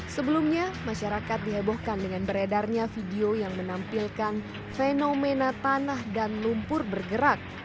sebelumnya masyarakat dihebohkan dengan beredarnya video yang menampilkan fenomena tanah dan lumpur bergerak